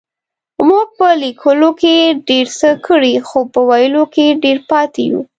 مونږ په لکيلو کې ډير څه کړي خو په ويلو کې ډير پاتې يو.